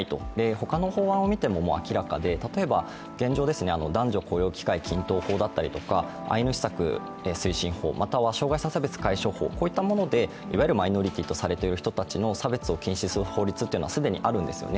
他の法案を見ても明らかで例えば現状、男女雇用機会均等法だったりアイヌ施策推進法、または障害者差別解消法といったものでいわゆるマイノリティーとされている人たちの差別を禁止する法律というのは既にあるんですね。